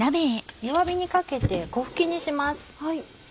弱火にかけて粉吹きにします。